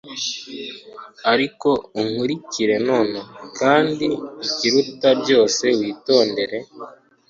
Ariko unkurikire nonaha kandi ikiruta byose witondere